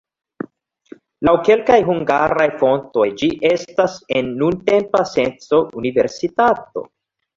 Laŭ kelkaj hungaraj fontoj ĝi estas en nuntempa senco universitato.